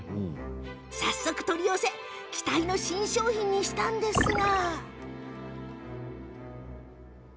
早速、取り寄せ期待の新商品にしたんですが。